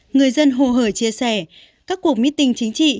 người dân hồ hởi chia sẻ các cuộc meeting chính trị